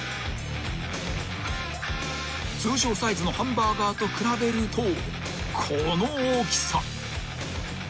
［通常サイズのハンバーガーと比べるとこの大きさ］